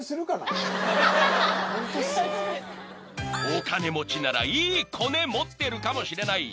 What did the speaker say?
［お金持ちならいいコネ持ってるかもしれない］